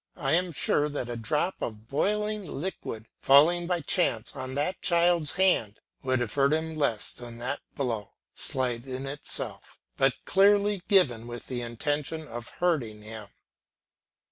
I am sure that a drop of boiling liquid falling by chance on that child's hand would have hurt him less than that blow, slight in itself, but clearly given with the intention of hurting him.